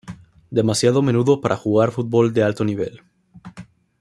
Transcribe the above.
Demasiado menudo para jugar fútbol de alto nivel.